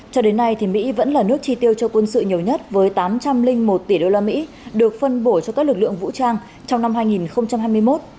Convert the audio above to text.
cho đến nay mỹ vẫn là nước chi tiêu cho quân sự nhiều nhất với tám trăm linh một tỷ usd được phân bổ cho các lực lượng vũ trang trong năm hai nghìn hai mươi một